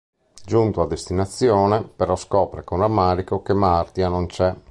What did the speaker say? Giunto a destinazione, però, scopre con rammarico che Martia non c'è.